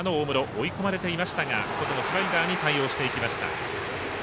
追い込まれていましたが外のスライダーに対応していきました。